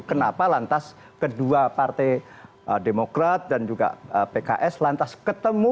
kenapa lantas kedua partai demokrat dan juga pks lantas ketemu